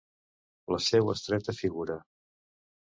La seua estreta figura.